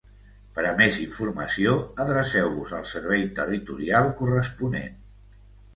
Per a més informació, adreceu-vos al Servei Territorial corresponent.